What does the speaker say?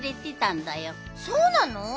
そうなの？